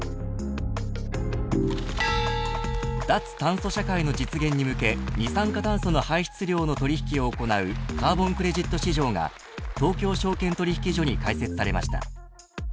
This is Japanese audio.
［脱炭素社会の実現に向け二酸化炭素の排出量の取引を行うカーボン・クレジット市場が東京証券取引所に開設されました］